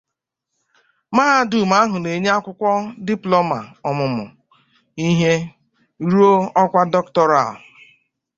Mahadum ahụ na-enye Akwụkwọ diplọma ọmụmụ ihe ruo ọkwa doctoral.